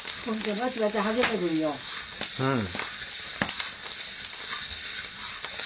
うん。